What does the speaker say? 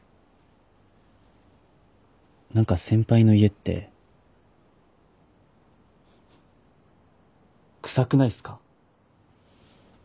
何か先輩の家って臭くないっすか？